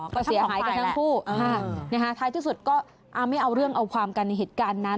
ก็เสียหายกันทั้งคู่ท้ายที่สุดก็ไม่เอาเรื่องเอาความกันในเหตุการณ์นั้น